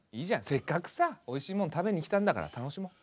せっかくさおいしいもん食べに来たんだから楽しもう。